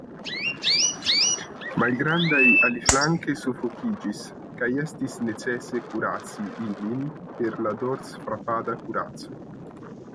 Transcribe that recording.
Malgrandaj aliflanke sufokiĝis, kaj estis necese kuraci ilin per la dorsfrapada kuraco.